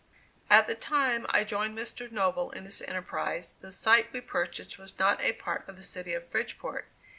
At the time I joined Mr. Noble in this enterprise, the site we purchased was not a part of the City of Bridgeport.